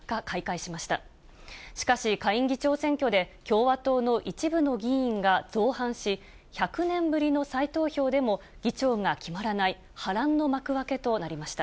しかし、下院議長選挙で共和党の一部の議員が造反し、１００年ぶりの再投票でも、議長が決まらない波乱の幕開けとなりました。